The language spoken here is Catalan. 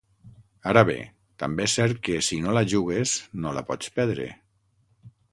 Ara bé, també és cert que, si no la jugues, no la pots perdre.